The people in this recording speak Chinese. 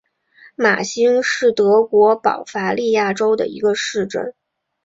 马兴是德国巴伐利亚州的一个市镇。